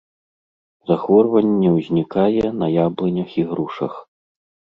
Захворванне ўзнікае на яблынях і грушах.